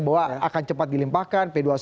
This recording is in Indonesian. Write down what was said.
bahwa akan cepat dilimpahkan p dua puluh satu